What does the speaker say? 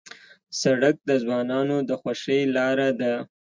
سړک د ځوانانو د خوښۍ لاره ده.